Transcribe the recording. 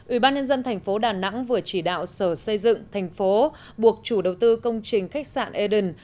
ủy ban nhân dân thành phố đà nẵng vừa chỉ đạo sở xây dựng thành phố buộc chủ đầu tư công trình khách sạn eden